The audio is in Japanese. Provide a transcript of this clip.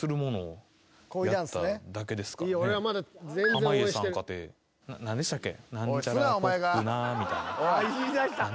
濱家さんかて何でしたっけ？